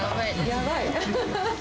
やばい？